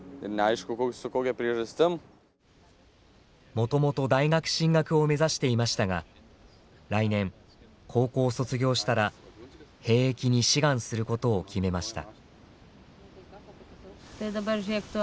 もともと大学進学を目指していましたが来年高校を卒業したら兵役に志願することを決めました。